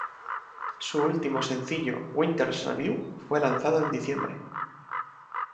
Su último sencillo "Winter's Review" fue lanzado en diciembre.